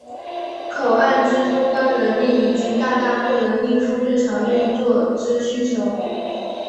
口岸之通关能力已经大大不能应付日常运作之需求。